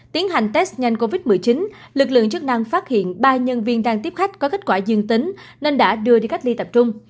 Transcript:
tiến hành test nhanh covid một mươi chín lực lượng chức năng phát hiện ba nhân viên đang tiếp khách có kết quả dương tính nên đã đưa đi cách ly tập trung